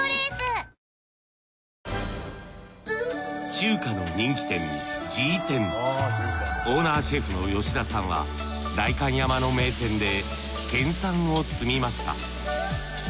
中華の人気店オーナーシェフの吉田さんは代官山の名店で研鑽を積みました。